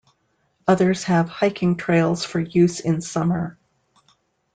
Others have hiking trails for use in summer.